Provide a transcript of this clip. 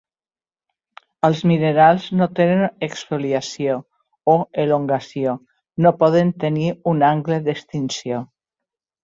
Els minerals que no tenen exfoliació o elongació no poden tenir un angle d'extinció.